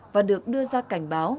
và được đưa ra cảnh báo